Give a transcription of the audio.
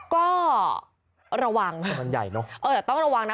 ก็ระวังแต่ต้องระวังนะ